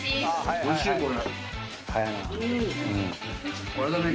おいしいこれ。